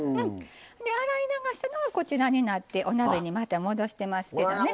洗い流したのがこちらになってお鍋にまた戻してますけどね。